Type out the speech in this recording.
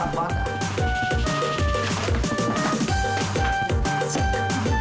ini lagi bersihin kaca kok